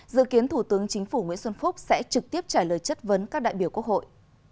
dự kiến thủ tướng chính phủ nguyễn xuân phúc sẽ trực tiếp trả lời chất vấn các đại biểu quốc hội